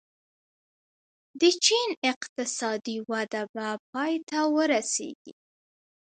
د چین اقتصادي وده به پای ته ورسېږي.